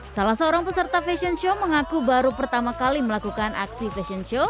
salah seorang peserta fashion show mengaku baru pertama kali melakukan aksi fashion show